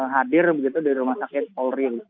hadir begitu di rumah sakit polri